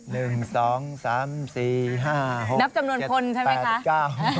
นับจำนวนคนใช่ไหมคะ